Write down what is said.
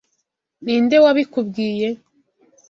Ninde wabikubwiye?